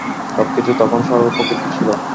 সবকিছু তখন সরল প্রকৃতির ছিল।